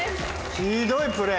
ひどいプレー。